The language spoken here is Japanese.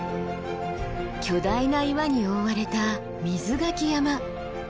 巨大な岩に覆われた瑞牆山。